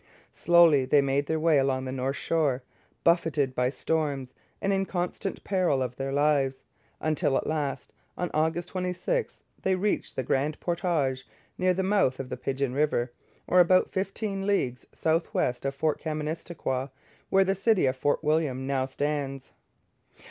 Slowly they made their way along the north shore, buffeted by storms and in constant peril of their lives, until at last, on August 26, they reached the Grand Portage, near the mouth of the Pigeon river, or about fifteen leagues south west of Fort Kaministikwia, where the city of Fort William now stands.